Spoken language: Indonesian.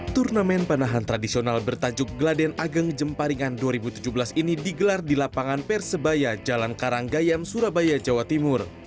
turnamen panahan tradisional bertajuk gladen ageng jemparingan dua ribu tujuh belas ini digelar di lapangan persebaya jalan karanggayam surabaya jawa timur